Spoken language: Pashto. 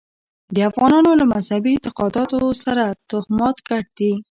د افغانانو له مذهبي اعتقاداتو سره توهمات ګډ دي.